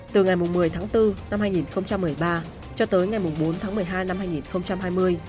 từ ngày một mươi tháng bốn năm hai nghìn một mươi ba cho tới ngày bốn tháng một mươi hai năm hai nghìn hai mươi